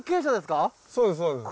そうですそうです。